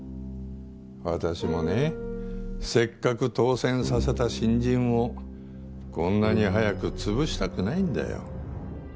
私もねせっかく当選させた新人をこんなに早く潰したくないんだよ。